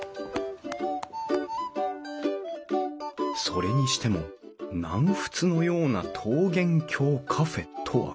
それにしても「南仏のような桃源郷カフェ」とはこれいかに？